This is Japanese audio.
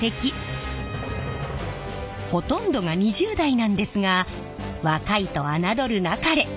ほとんどが２０代なんですが若いと侮るなかれ！